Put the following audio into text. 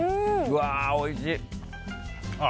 うわ、おいしい！